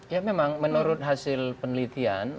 ya memang menurut hasil penelitian